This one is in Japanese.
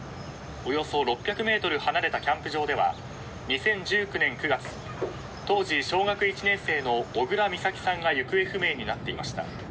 およそ６００ｍ離れたキャンプ場では２０１９年９月当時小学１年生の小倉美咲さんが行方不明になっていました。